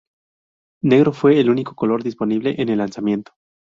Negro fue el único color disponible en el lanzamiento.